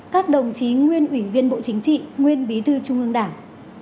các đồng chí nguyên ủy viên bộ chính trị nguyên bí thư trung ương đảng